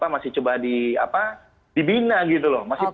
masih coba dibina gitu loh